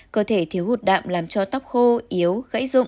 cơ thể thiếu hụt đạm làm cho tóc khô yếu gãy rụng